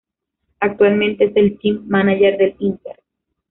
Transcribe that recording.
Actualmente es el 'team manager' del Inter.